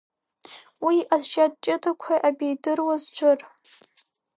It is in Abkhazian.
Уи иҟазшьа ҷыдақәа абеидыруаз Џыр.